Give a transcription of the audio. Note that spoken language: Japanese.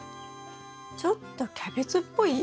ちょっとキャベツっぽい？